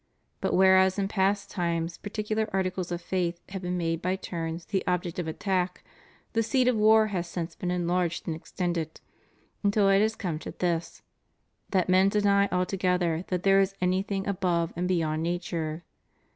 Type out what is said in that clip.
But whereas in past times particular articles of faith have been made by turns the object of attack, the seat of war has since been enlarged and ex tended, until it has come to this, that men deny alto gether that there is anything above and beyond nature.